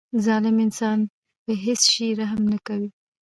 ظالم انسان په هیڅ شي رحم نه کوي.